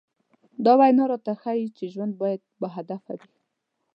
دا وينا راته ښيي چې ژوند بايد باهدفه وي.